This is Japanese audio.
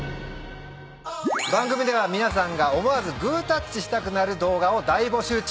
番組では皆さんが思わずグータッチしたくなる動画を大募集中。